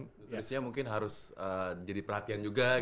nutrisinya mungkin harus jadi perhatian juga gitu ya